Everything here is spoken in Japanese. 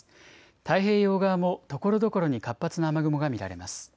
太平洋側もところどころに活発な雨雲が見られます。